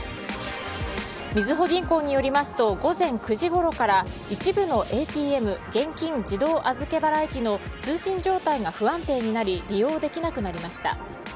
みずほ銀行によりますと午後９時ごろから一部のＡＴＭ・現金自動預払機の通信状態が不安定になり利用できなくなりました。